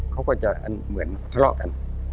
เขาก็จะเหมือนทะเลาะกัน